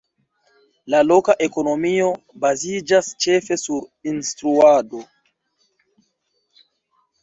La loka ekonomio baziĝas ĉefe sur instruado.